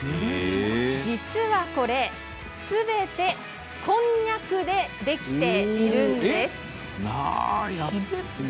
実はこれ、すべてこんにゃくでできているんです。